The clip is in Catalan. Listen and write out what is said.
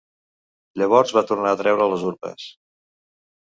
Llavors va tornar a treure les urpes.